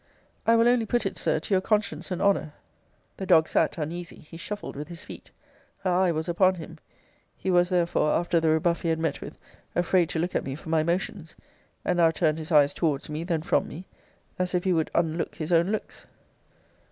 I will only put it, Sir, to your conscience and honour The dog sat uneasy he shuffled with his feet her eye was upon him he was, therefore, after the rebuff he had met with, afraid to look at me for my motions; and now turned his eyes towards me, then from me, as if he would unlook his own looks.